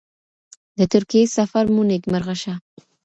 د ترکیې سفر مو نیکمرغه شه.